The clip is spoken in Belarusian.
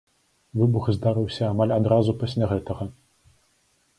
Выбух здарыўся амаль адразу пасля гэтага.